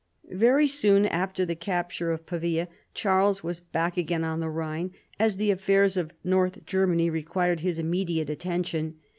Yery soon after the capture of Pa via, Charles was back again on the Rhine, as the affairs of I^orth Germany required his immediate attention.